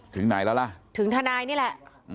ถึงไหนแล้วล่ะถึงทนายนี่แหละ